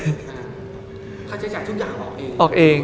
เขาจะจ่ายทุกอย่างออกเอง